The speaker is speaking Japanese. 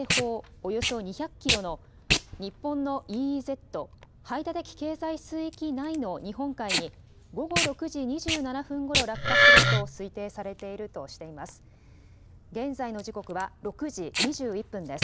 およそ２００キロの日本のＥＥＺ・排他的経済水域内の日本海に午後６時２７分ごろ落下すると推定されているとしています。